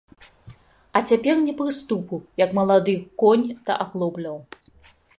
А цяпер ні прыступу, як малады конь да аглобляў.